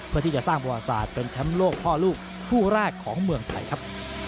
เพื่อที่จะสร้างประวัติศาสตร์เป็นแชมป์โลกพ่อลูกคู่แรกของเมืองไทยครับ